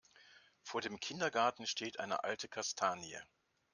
Vor dem Kindergarten steht eine alte Kastanie.